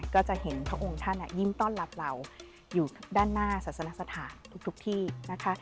ก็จะเห็นพระองค์ท่านยิ้มต้อนรับเราอยู่ด้านหน้าศาสนสถานทุกที่นะคะ